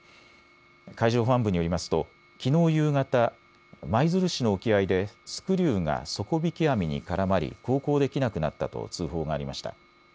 海上保安部によりますときのう夕方、舞鶴市の沖合でスクリューが底引き網に絡まり航行できなくなったと通報がありました。